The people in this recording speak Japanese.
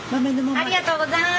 ありがとうございます。